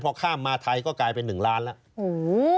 พอข้ามมาไทยก็กลายเป็น๑ล้านแล้ว